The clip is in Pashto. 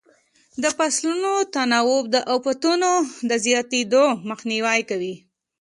د فصلو تناوب د افتونو د زیاتېدو مخنیوی کوي.